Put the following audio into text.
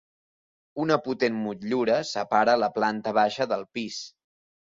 Una potent motllura separa la planta baixa del pis.